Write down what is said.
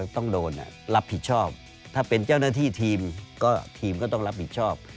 ต้องโดนรับผิดชอบถ้าเป็นเจ้าหน้าที่ทีมก็ต้องรับผิดชอบ